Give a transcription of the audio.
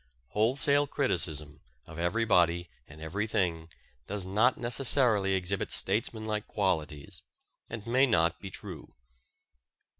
Wholesale criticism of everybody and everything does not necessarily exhibit statesmanlike qualities, and may not be true.